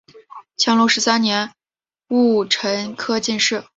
乾隆十三年戊辰科进士。